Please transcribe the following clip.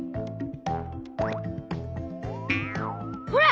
ほら！